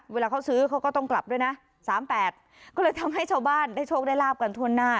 เวลาเขาซื้อเขาก็ต้องกลับด้วยนะ๓๘ก็เลยทำให้ชาวบ้านได้โชคได้ลาบกันทั่วหน้า